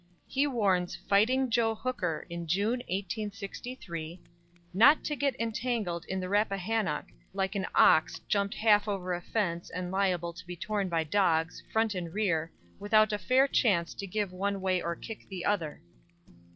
He warns "Fighting Joe" Hooker, in June, 1863, "not to get entangled on the Rappahannock, like an ox jumped half over a fence and liable to be torn by dogs, front and rear, without a fair chance to give one way or kick the other."